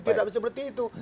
tidak seperti itu